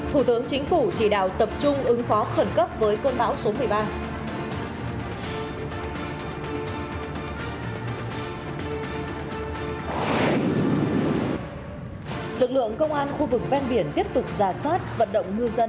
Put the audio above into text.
hãy đăng ký kênh để ủng hộ kênh của chúng mình nhé